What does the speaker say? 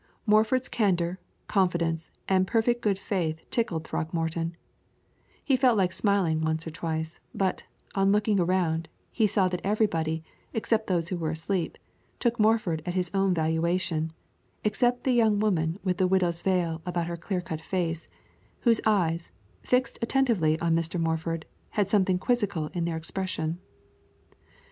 Morford's candor, confidence, and perfect good faith tickled Throckmorton; he felt like smiling once or twice, but, on looking around, he saw that everybody, except those who were asleep, took Morford at his own valuation; except the young woman with the widow's veil about her clear cut face, whose eyes, fixed attentively on Mr. Morford, had something quizzical in their expression.